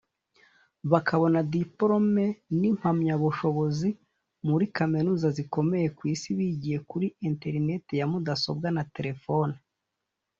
bakabona diplôme n’impamyabushobozi muri Kaminuza zikomeye ku Isi bigiye kuri Internet ya mudasobwa na telefoni